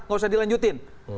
nggak usah dilanjutin